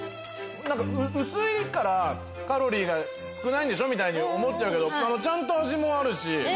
薄いからカロリーが少ないんでしょみたいに思っちゃうけどちゃんと味もあるし。